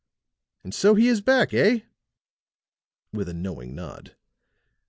And so he is back, eh?" with a knowing nod.